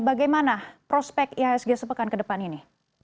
bagaimana prospek ihsg sepekan ke depan ini